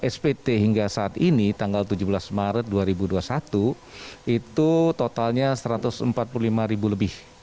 spt hingga saat ini tanggal tujuh belas maret dua ribu dua puluh satu itu totalnya satu ratus empat puluh lima ribu lebih